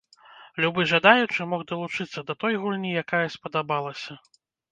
Любы жадаючы мог далучыцца да той гульні, якая спадабалася.